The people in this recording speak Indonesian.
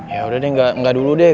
yaudah deh gak dulu deh